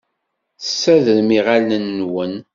Tessadrem iɣallen-nwen.